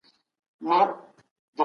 چلند به تنظيم سي.